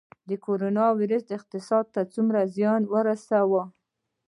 د کرونا ویروس اقتصاد ته څومره زیان ورساوه؟